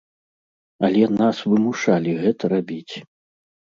Але нас вымушалі гэта рабіць.